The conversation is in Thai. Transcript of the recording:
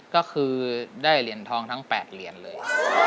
ก็คือได้เหรียญทองทั้ง๘เหรียญเลย